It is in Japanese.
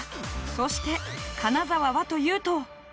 そして金沢はというと。